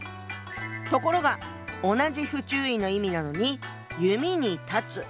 ところが同じ不注意の意味なのに「弓」に「断つ」。